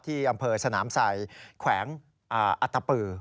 ที่อำเภอสนามใส่แขวงอัตตปือ